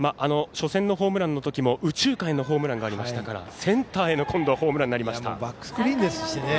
初戦のホームランの時も右中間へのホームランがありましたからセンターへのホームランになりました。